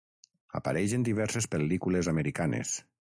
Apareix en diverses pel·lícules americanes.